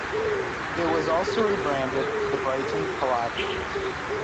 It was also rebranded The Brighton Palladium.